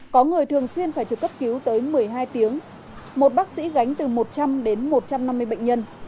có người thường xuyên phải trực cấp cứu tới một mươi hai tiếng một bác sĩ gánh từ một trăm linh đến một trăm năm mươi bệnh nhân